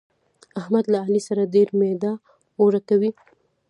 احمد له علي سره ډېر ميده اوړه کوي.